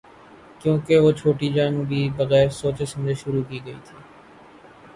کیونکہ وہ چھوٹی جنگ بھی بغیر سوچے سمجھے شروع کی گئی تھی۔